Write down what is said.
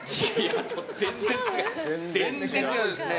全然違いますね。